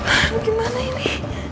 aduh gimana ini